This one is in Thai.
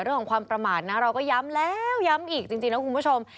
เรื่องของความประมาทนะเราก็ย้ำแล้วย้ำอีกจริงนะคุณผู้ชม